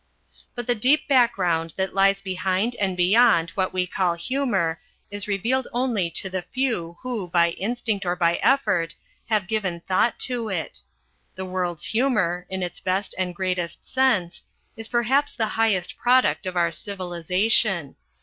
But the deep background that lies behind and beyond what we call humour is revealed only to the few who, by instinct or by effort, have given thought to it. The world's humour, in its best and greatest sense, is perhaps the highest product of our civilisation.